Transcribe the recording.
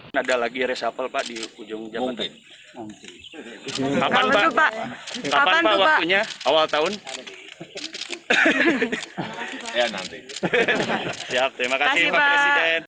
terima kasih pak presiden